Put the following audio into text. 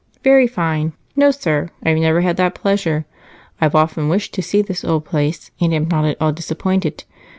"Very fine. No, sir, I have never had that pleasure. I've often wished to see this old place, and am not at all disappointed.